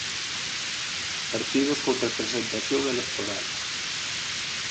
Partidos con representación electoral.